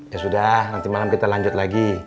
ya sudah nanti malam kita lanjut lagi